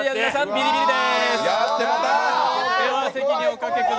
ビリビリです。